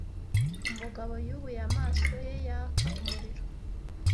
umugabo yubuye amaso ye yaka umuriro